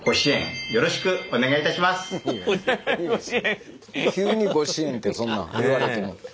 ぜひ急にご支援ってそんなん言われても。